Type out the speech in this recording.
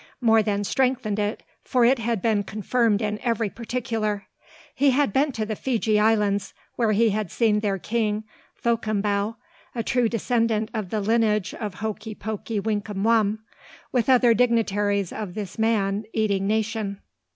More than strengthened it: for it had been confirmed in every particular. He had been to the Fiji islands, where he had seen their king, Thakombau, a true descendant of the lineage of "Hokey Pokey Winkey Wum," with other dignitaries of this man eating nation.